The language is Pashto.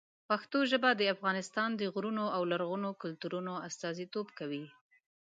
پښتو ژبه د افغانستان د غرونو او لرغونو کلتورونو استازیتوب کوي.